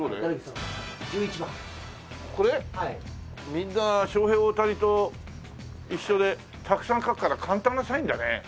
みんなショウヘイ・オオタニと一緒でたくさん書くから簡単なサインだね。